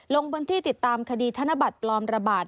ลงบนที่ติดตามคดีธนบัตรปลอมระบาด